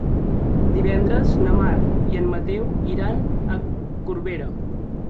Divendres na Mar i en Mateu iran a Corbera.